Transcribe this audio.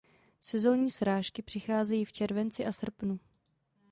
Sezónní srážky přicházejí v červenci a srpnu.